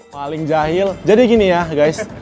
paling jahil jadi gini ya guys